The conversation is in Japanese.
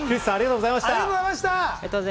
クリスさん、ありがとうございました。